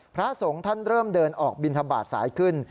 พระสงฆ์ท่านเริ่มเดินออกบินทบาทสายขึ้น